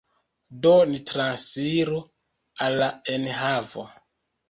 Do, ni transiru al la enhavo.